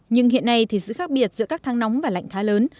nhưng hiện nay thì sự khác biệt giữa các tháng nóng và lạnh thá lớn